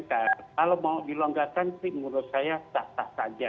kalau mau dilonggarkan sih menurut saya sah sah saja